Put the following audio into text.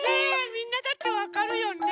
みんなだってわかるよね？